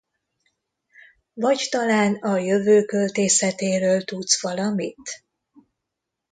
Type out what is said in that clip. Vagy talán a jövő költészetéről tudsz valamit?